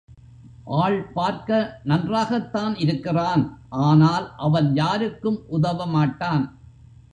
ஆள் பார்க்க நன்றாகத்தான் இருக்கிறான் ஆனால் அவன் யாருக்கும் உதவமாட்டான்.